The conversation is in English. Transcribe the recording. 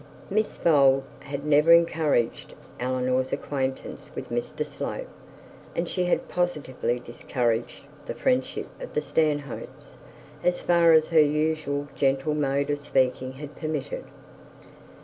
Miss Bold had never encouraged Eleanor's acquaintance with Mr Slope, and she had positively discouraged the friendship of the Stanhopes as far as her usual gentle mode of speaking had permitted.